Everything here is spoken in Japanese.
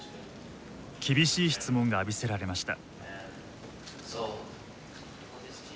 厳しい質問が浴びせられました。